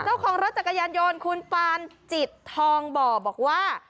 เจ้าของรถจักรยานยนต์คุณปานจิตทองบ่อบอกว่า